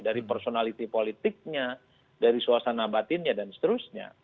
dari personality politiknya dari suasana batinnya dan seterusnya